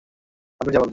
আপনি যা বলেন।